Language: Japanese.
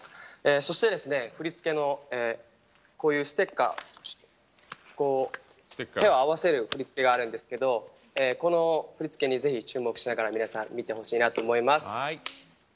そして、振り付けの手を合わせる振り付けがあるんですけどこの振り付けにぜひ注目しながら皆さん、ぜひ見てほしいなと思います。